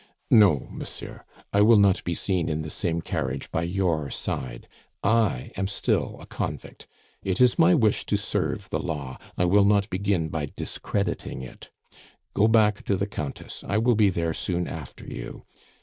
"No, monsieur; I will not be seen in the same carriage by your side I am still a convict. It is my wish to serve the Law; I will not begin by discrediting it. Go back to the Countess; I will be there soon after you.